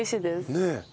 ねえ。